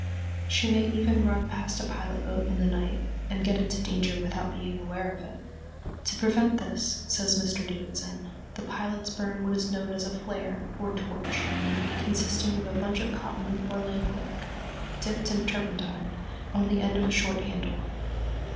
She may even run past a pilot boat in the night and get into danger without being aware of it. To prevent this, says Mr. Davidson, the pilots burn what is known as a "flare" or torch, consisting of a bunch of cotton or lamp wick dipped in turpentine, on the end of a short handle.